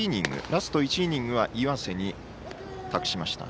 ラスト１イニングは岩瀬に託しました。